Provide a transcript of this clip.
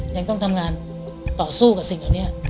ยังต้องทำงานต่อสู้กับสิ่งเหล่านี้